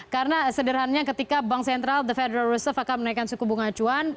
karena sederhananya ketika bank sentral the federal reserve akan menaikkan suku bunga acuan